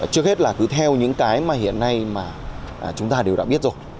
trước hết là cứ theo những cái mà hiện nay mà chúng ta đều đã biết rồi